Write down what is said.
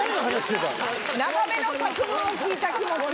長めの作文を聞いた気持ち。